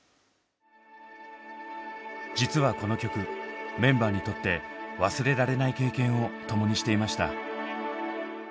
実はこの曲メンバーにとって忘れられない経験を共にしていました。